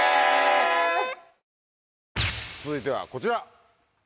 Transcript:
続いてはこちら。